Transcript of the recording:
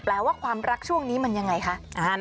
ว่าความรักช่วงนี้มันยังไงคะ